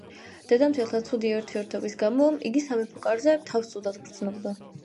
დედამთილთან ცუდი ურთიერთობის გამო იგი სამეფო კარზე თავს ცუდად გრძნობდა.